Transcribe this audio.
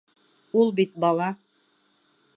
Ул бит бала!